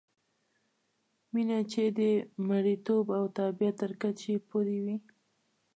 مینه چې د مریتوب او تابعیت تر کچې پورې وي.